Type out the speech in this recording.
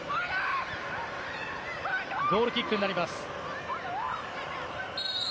ゴールキックになります。